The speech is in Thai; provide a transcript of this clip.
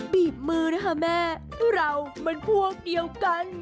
บีบมือนะคะแม่เรามันพวกเดียวกัน